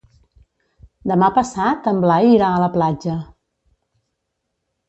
Demà passat en Blai irà a la platja.